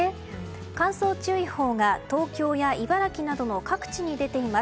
乾燥注意報が東京や茨城などの各地に出ています。